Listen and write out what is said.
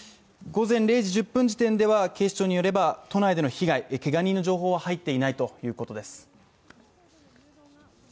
午前０時１０分時点では警視庁によれば、都内での被害けが人の情報は入っていないということです。